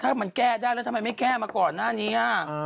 ถ้ามันแก้ได้แล้วทำไมไม่แก้มาก่อนหน้านี้